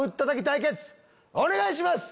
対決お願いします！